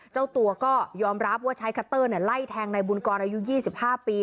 เจ้าตัวก็ยอมรับว่าใช้คัตเตอร์ไล่แทงในบุญกรอายุ๒๕ปี